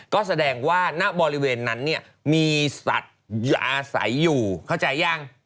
ก็แสดงว่าณบริเวณนั้นเนี่ยมีสัตว์อาศัยอยู่เข้าใจยัง